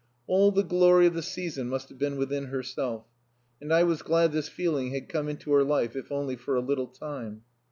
All the glory of the season must have been within herself and I was glad this feeling had come into her life, if only for a little time.